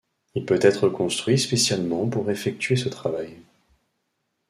Il peut être construit spécialement pour effectuer ce travail.